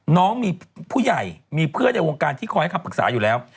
น้องมีผู้ใหญ่มีเพื่อนในวงการที่คอยให้คำปรึกษาอยู่แล้ว